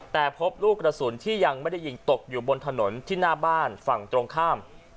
แต่พบลูกกระสุนที่ยังไม่ได้ยิงตกอยู่บนถนนที่หน้าบ้านฝั่งตรงข้าม